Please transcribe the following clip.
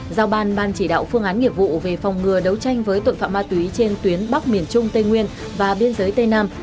giao ban ban chỉ đạo phương án nghiệp vụ về phòng ngừa đấu tranh với tội phạm ma túy trên tuyến bắc miền trung tây nguyên và biên giới tây nam